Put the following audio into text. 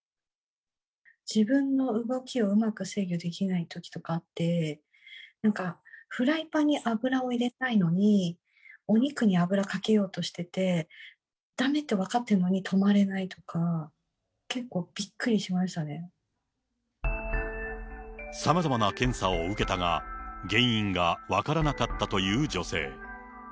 自分の動きをうまく制御できないときとかあって、なんか、フライパンに油を入れたいのに、お肉に油かけようとしてて、だめって分かっているのに止まれないとか、結構、びっくりしましさまざまな検査を受けたが、原因が分からなかったという女性。